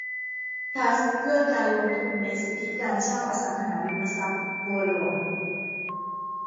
ทรัสต์เพื่อการลงทุนในสิทธิการเช่าอสังหาริมทรัพย์บัวหลวง